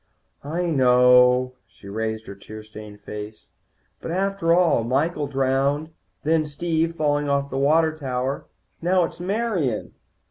"I know." She raised her tear stained face. "But after all Michael, drowned. Then Steve, falling off the water tower. Now it's Marian."